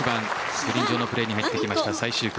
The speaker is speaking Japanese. グリーン上のプレーに入ってきました、最終組。